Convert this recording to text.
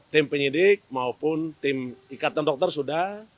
tim penyidik maupun tim ikatan dokter sudah